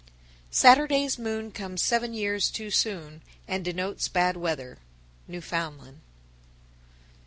_ 944. Saturday's moon comes seven years too soon, and denotes bad weather. _Newfoundland.